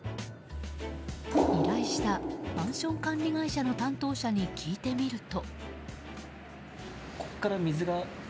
依頼したマンション管理会社の担当者に聞いてみると。